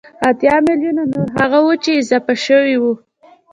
اتيا ميليونه نور هغه وو چې اضافه شوي وو